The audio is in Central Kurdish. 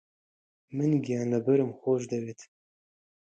من گیانلەبەرم خۆش دەوێت.